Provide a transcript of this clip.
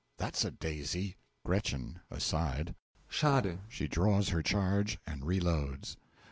That's a daisy! GR. (Aside.) Schade! (She draws her charge and reloads.)